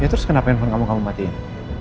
ya terus kenapa yang mau kamu matiin